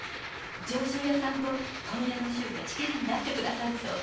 上州屋さんと問屋の衆が力になってくださるそうで。